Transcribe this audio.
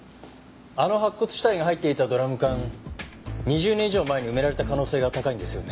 あの白骨死体が入っていたドラム缶２０年以上前に埋められた可能性が高いんですよね？